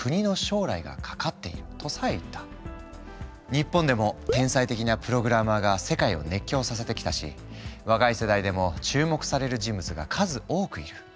日本でも天才的なプログラマーが世界を熱狂させてきたし若い世代でも注目される人物が数多くいる。